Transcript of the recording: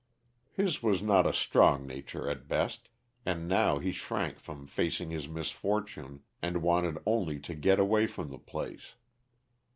His was not a strong nature at best, and now he shrank from facing his misfortune and wanted only to get away from the place.